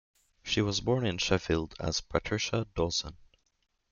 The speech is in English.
She was born in Sheffield as Patricia Dawson.